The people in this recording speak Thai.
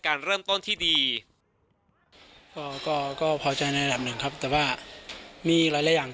การเริ่มต้นที่ดีก็ก็พอใจในระดับหนึ่งครับแต่ว่ามีหลายอย่าง